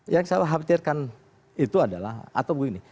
yang saya khawatirkan itu adalah atau begini